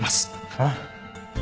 えっ？